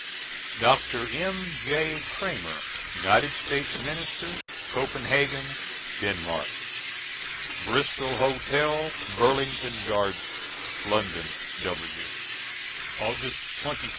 DR. M.J. CRAMER, United States Minister, Copenhagen, Denmark. BRISTOL HOTEL, BURLINGTON GARDENS, LONDON, W. Aug. 26, '77.